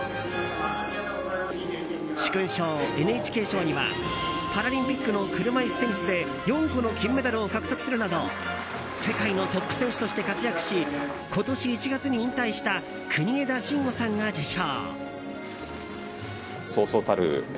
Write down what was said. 殊勲賞、ＮＨＫ賞にはパラリンピックの車いすテニスで４個の金メダルを獲得するなど世界のトップ選手として活躍し今年１月に引退した国枝慎吾さんが受賞。